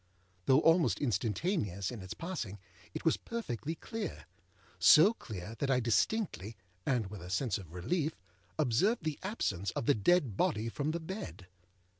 Though almost instantaneous in its passing, it was perfectly clear; so clear that I distinctly, and with a sense of relief, observed the absence of the dead body from the bed.